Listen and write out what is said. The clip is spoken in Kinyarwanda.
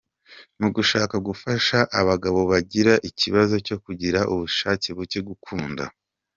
Mu gushaka gufasha abagabo bagira ikibazo cyo kugira ubushake buke, gukunda.